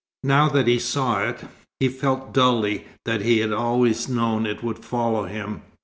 Now that he saw it, he felt dully that he had always known it would follow him.